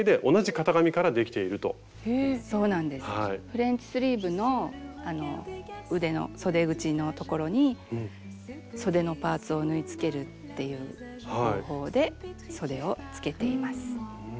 フレンチスリーブの腕のそで口のところにそでのパーツを縫いつけるっていう方法でそでをつけています。